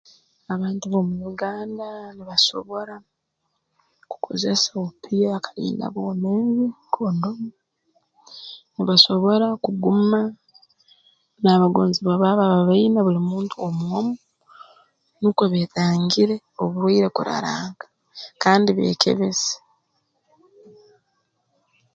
Abantu b'omu Uganda nibasobora kukozesa obupiira kalinda-bwomeezi kondomu nibasobora kuguma n'abagonzebwa baabo aba baine buli muntu omu omu nukwo beetangire oburwaire kuraranga kandi beekebeze